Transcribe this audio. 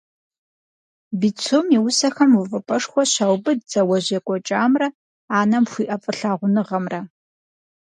Бицум и усэхэм увыпӀэшхуэ щаубыд зауэжь екӀуэкӀамрэ анэм хуиӀэ фӀылъагъуныгъэмрэ.